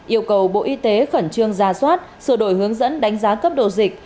yêu cầu bộ y tế khẩn trương ra soát sửa đổi hướng dẫn đánh giá cấp độ dịch